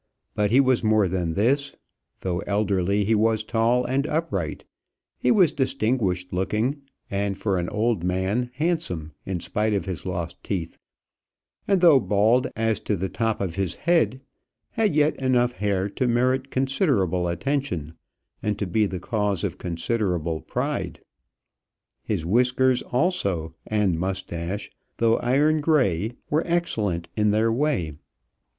But he was more than this: though elderly he was tall and upright; he was distinguished looking, and, for an old man, handsome in spite of his lost teeth; and though bald as to the top of his head, had yet enough hair to merit considerable attention, and to be the cause of considerable pride. His whiskers, also, and mustache, though iron gray, were excellent in their way.